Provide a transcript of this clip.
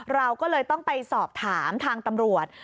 เราก็เลยต้องไปสอบถามทางตำรวจ